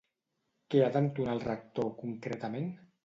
Què ha d'entonar el Rector, concretament?